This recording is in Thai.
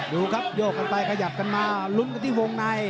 ดูครับโยกกันไปขยับกันมาลุ้นกันที่วงใน